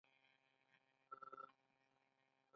د دایکنډي په سنګ تخت کې د وسپنې نښې شته.